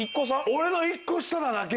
俺の１個下なだけ？